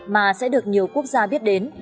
mà sẽ được nhiều quốc gia biết đến